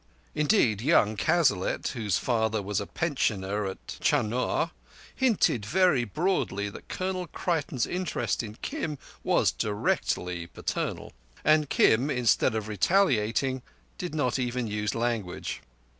Indeed, young Cazalet, whose father was a pensioner at Chunar, hinted very broadly that Colonel Creighton's interest in Kim was directly paternal; and Kim, instead of retaliating, did not even use language.